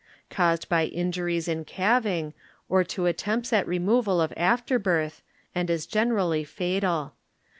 Caused by injuries m calving or to attempts at removal of afterbirth, and is generally fatal.